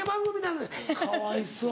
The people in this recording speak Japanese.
「かわいそう」。